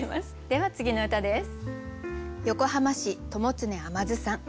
では次の歌です。